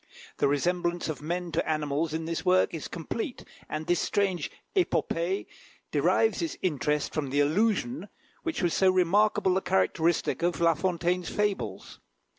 The resemblance of men to animals in this work is complete, and this strange épopée derives its interest from the allusion, which was so remarkable a characteristic of La Fontaine's fables.